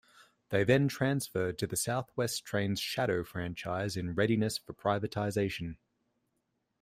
They then transferred to the South West Trains shadow franchise in readiness for privatisation.